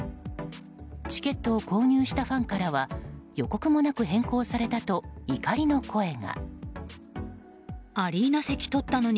チケットを購入したファンからは予告もなく変更されたと怒りの声が。